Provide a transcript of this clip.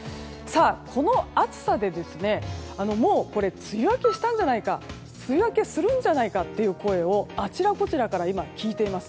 この暑さでもう梅雨明けしたんじゃないか梅雨明けするんじゃないかという声をあちらこちらから聞いています。